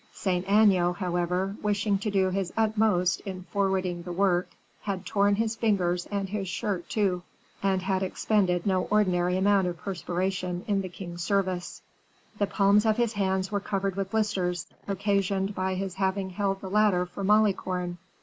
Saint Aignan, however, wishing to do his utmost in forwarding the work, had torn his fingers and his shirt too, and had expended no ordinary amount of perspiration in the king's service. The palms of his hands were covered with blisters, occasioned by his having held the ladder for Malicorne.